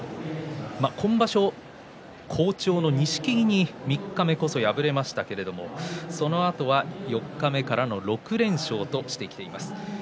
今場所好調の錦木に三日目こそ敗れましたがそのあとは四日目からの６連勝としています。